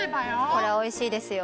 これおいしいですよ。